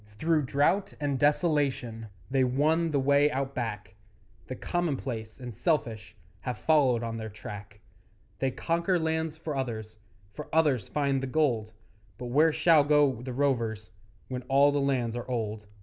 Through drought and desolation They won the way Out Back; The commonplace and selfish Have followed on their track; They conquer lands for others, For others find the gold, But where shall go the rovers When all the lands are old?